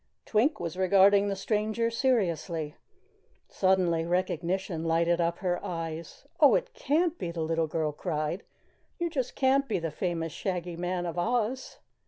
Twink was regarding the stranger seriously. Suddenly recognition lighted up her eyes. "Oh, it can't be!" the little girl cried. "You just can't be the famous Shaggy Man of Oz!"